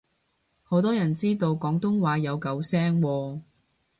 好多人知道廣東話有九聲喎